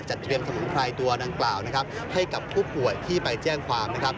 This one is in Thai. จัดเตรียมสมุนไพรตัวต่างให้กับผู้ป่วยที่ไปแจ้งความ